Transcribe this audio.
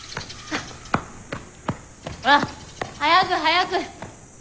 ほら早く早く！